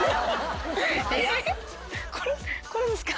これですか？